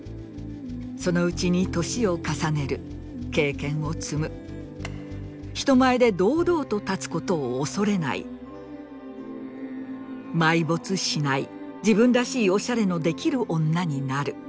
そのうちに歳を重ねる経験を積む人前で堂々と立つ事を恐れない埋没しない自分らしいオシャレのできる女になる。